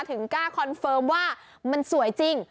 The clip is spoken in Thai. ถึงกล้าคอนเฟิร์มว่ามันสวยจริง